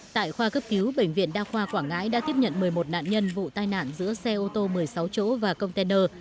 tại khoa cấp cứu bệnh viện đa khoa quảng ngãi đã tiếp nhận một mươi một nạn nhân vụ tai nạn giữa xe ô tô một mươi sáu chỗ và container